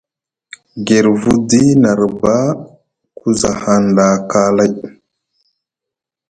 Girfudi nʼarba ku za hanɗa kaalay.